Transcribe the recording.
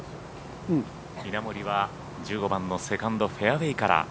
稲森は１５番のセカンドフェアウエーから。